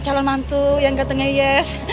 calon mantu yang katanya yes